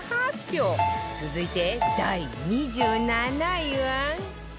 続いて第２７位は